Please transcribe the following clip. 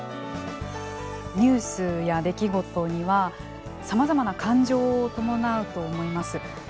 ニュースや出来事にはさまざまな感情を伴うと思います。